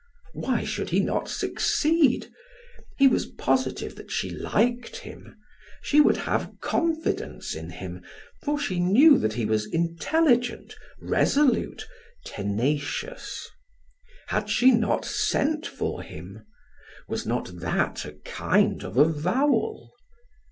Why should he not succeed? He was positive that she liked him; she would have confidence in him, for she knew that he was intelligent, resolute, tenacious. Had she not sent for him? Was not that a kind of avowal?